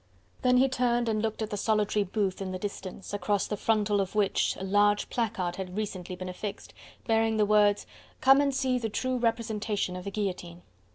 Then he turned and looked at the solitary booth in the distance, across the frontal of which a large placard had been recently affixed, bearing the words: "Come and see the true representation of the guillotine!"